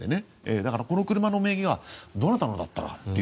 だから、この車の名義がどなたのだったかという。